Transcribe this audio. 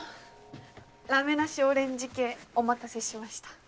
ラメなしオレンジ系お待たせしました。